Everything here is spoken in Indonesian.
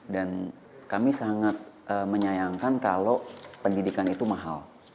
dan kami sangat menyayangkan kalau pendidikan itu mahal